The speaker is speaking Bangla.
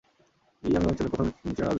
লি এবং ইয়াং ছিলেন প্রথম চীনা নোবেল বিজয়ী।